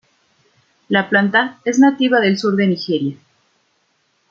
La planta es nativa del sur de Nigeria.